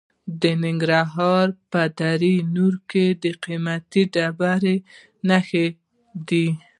د ننګرهار په دره نور کې د قیمتي ډبرو نښې دي.